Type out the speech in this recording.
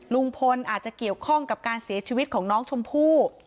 ลุงพลอาจจะเกี่ยวข้องกับการเสียชีวิตของน้องชมพู่